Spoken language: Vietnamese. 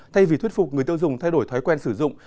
thay vì thuyết phục người tiêu dùng thay đổi thói quen sử dụng